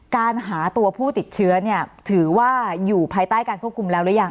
การหาตัวผู้ติดเชื้อเนี่ยถือว่าอยู่ภายใต้การควบคุมแล้วหรือยัง